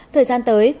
thời gian tới